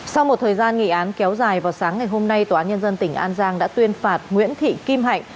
sau một thời gian nghị án kéo dài vào sáng ngày hôm nay tòa án nhân dân tỉnh an giang đã tuyên phạt nguyễn thị kim hạnh